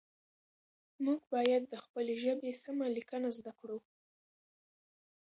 موږ باید د خپلې ژبې سمه لیکنه زده کړو